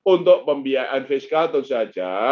untuk pembiayaan fiskal tentu saja